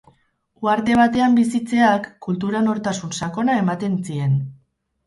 Uharte batean bizitzeak kultura nortasun sakona ematen zien.